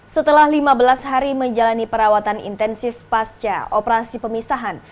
setelah lima belas hari menjalani perawatan intensif pasca operasi pemisahan